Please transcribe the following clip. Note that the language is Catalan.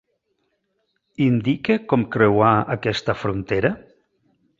Indique com creuar aquesta frontera?